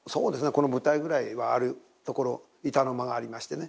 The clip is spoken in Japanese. この舞台ぐらいはあるところ板の間がありましてね。